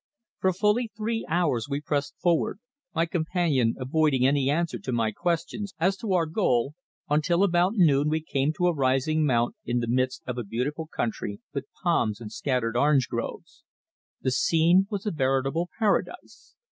For fully three hours we pressed forward, my companion avoiding any answer to my questions as to our goal, until about noon we came to a rising mount in the midst of a beautiful country with palms and scattered orange groves. The scene was a veritable paradise.